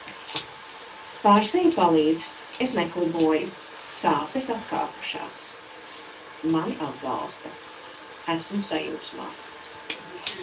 Pārsēji palīdz, es nekliboju. Sāpes atkāpušās. Mani atbalsta. Esmu sajūsmā.